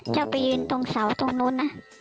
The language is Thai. จะไปยืนตรงเสาตรงนู้นนะ